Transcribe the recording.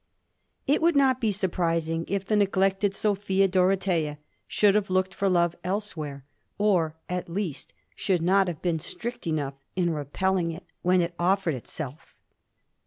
It would not be surprising if the neglected Sophia Dorothea should have looked for love elsewhere, or at least should not have been strict enough in repelling it when it offered itself.